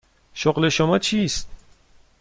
شغل شما چیست؟